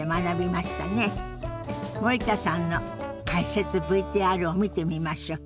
森田さんの解説ＶＴＲを見てみましょう。